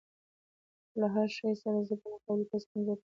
له هرشي سره ضد او مقابله تاسې کمزوري کوي